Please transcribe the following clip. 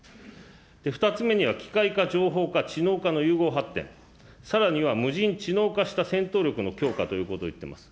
２つ目には機械化、情報化、知能化の融合発展、さらには無人知能化した戦闘力の強化ということを言っています。